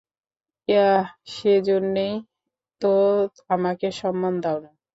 Yeah সে জন্যই তো আমাকে সম্মান দাওনা।